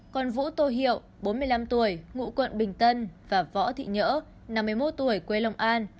còn vũ tô hiệu bốn mươi năm tuổi ngụ quận bình tân và võ thị nhỡ năm mươi một tuổi quê long an